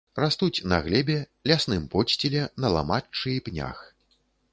Растуць на глебе, лясным подсціле, на ламаччы і пнях.